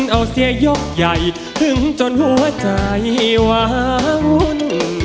เอาเสียยกใหญ่ถึงจนหัวใจวาวุ่น